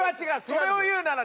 それを言うなら。